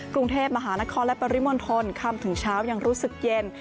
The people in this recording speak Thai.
กรุงเทพมหานครและปริมณฑลค่ำถึงเช้ายังรู้สึกเย็น